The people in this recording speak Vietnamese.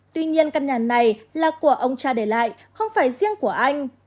tuy nhiên căn nhà này là của ông cha để lại không phải riêng của anh